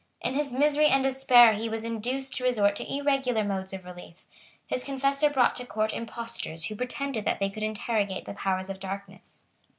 In his misery and despair he was induced to resort to irregular modes of relief. His confessor brought to court impostors who pretended that they could interrogate the powers of darkness.